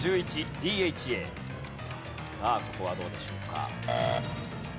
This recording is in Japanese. ここはどうでしょうか？